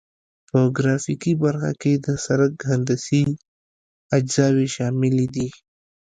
په ګرافیکي برخه کې د سرک هندسي اجزاوې شاملې دي